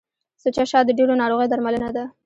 سوچه شات د ډیرو ناروغیو درملنه ده.